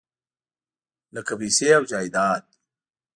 لکه پیسې او جایداد .